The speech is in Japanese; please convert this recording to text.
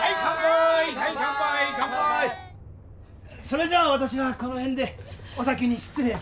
それじゃあ私はこの辺でお先に失礼するよ。